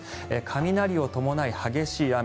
雷を伴い激しい雨。